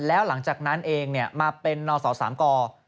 แล้วหลังจากนั้นเองมาเป็นนศสามก